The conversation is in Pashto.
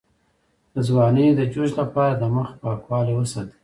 د ځوانۍ د جوش لپاره د مخ پاکوالی وساتئ